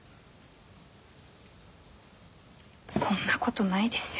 そんなことないですよ。